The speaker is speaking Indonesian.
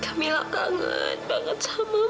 kamila kangen banget sama makan